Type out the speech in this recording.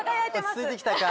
落ち着いてきたか。